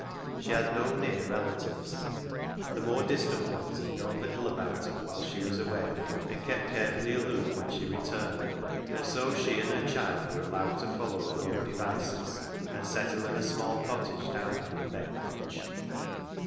She had no near relatives. The more distant ones had known little about her whilst she was away, and kept carefully aloof when she returned, and so she and her child were allowed to follow their own devices and settle in a small cottage down by the Beck bridge.